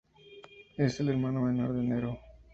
Es el hermano menor de Nero.